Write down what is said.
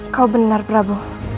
kau benar prabu